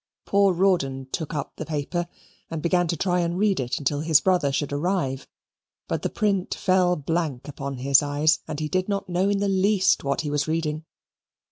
Poor Rawdon took up the paper and began to try and read it until his brother should arrive. But the print fell blank upon his eyes, and he did not know in the least what he was reading.